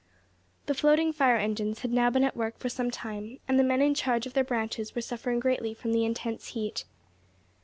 The floating fire engines had now been at work for some time, and the men in charge of their branches were suffering greatly from the intense heat.